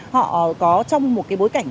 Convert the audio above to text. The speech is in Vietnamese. họ có trong một cái bối cảnh